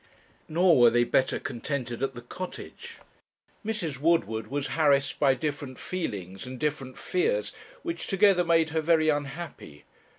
Nor were they better contented at the Cottage. Mrs. Woodward was harassed by different feelings and different fears, which together made her very unhappy.